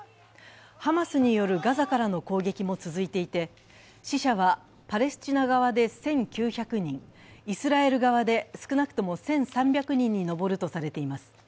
ハマスによるガザからの攻撃も続いていて、死者はパレスチナ側で１９００人、イスラエル側で少なくとも１３００人に上るとされています。